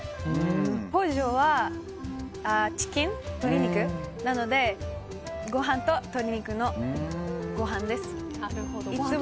ポジョはチキン、鶏肉なのでご飯と鶏肉の料理です。